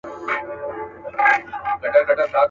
.پر وزرونو مي شغلې د پانوس پور پاته دي.